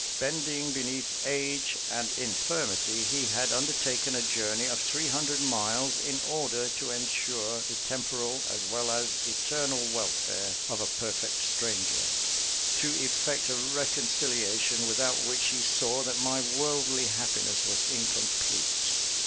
Bending beneath age and infirmity, he had undertaken a journey of three hundred miles, in order to ensure the temporal as well as eternal welfare of a perfect stranger to effect a reconciliation, without which he saw that my worldly happiness was incomplete.